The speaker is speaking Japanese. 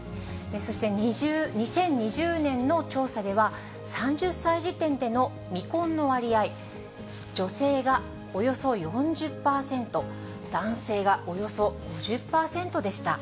そして２０２０年の調査では、３０歳時点での未婚の割合、女性がおよそ４０％、男性がおよそ５０％でした。